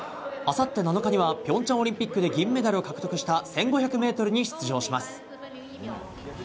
あさって７日は平昌オリンピックで銀メダルを獲得した１５００ｍに出場します。